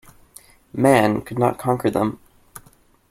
Man could not conquer them.